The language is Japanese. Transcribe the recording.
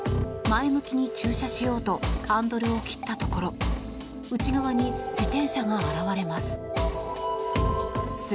前向きに駐車しようとハンドルを切ったところ内側に自転車が現れます。